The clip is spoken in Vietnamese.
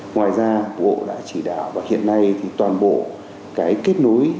ngoài ra bộ đã chỉ đạo và hiện nay thì toàn bộ cái kết nối